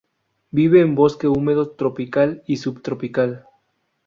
Vive en bosque húmedo tropical y subtropical.